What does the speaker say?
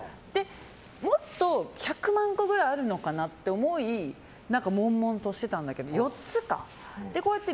もっと１００万個くらいあるのかなと思い悶々としてたんだけど４つかって。